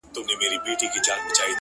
o ستا د پښې پايزيب مي تخنوي گلي؛